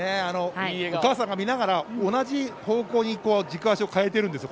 お母さんが見ながら同じ方向に軸足を変えているんです。